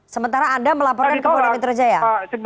sementara anda melaporkan ke polda metro jaya